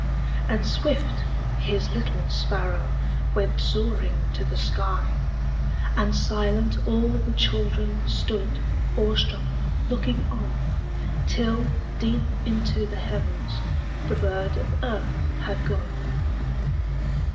And swift, His little sparrow Went soaring to the sky, And silent, all the children Stood, awestruck, looking on, Till, deep into the heavens, The bird of earth had gone.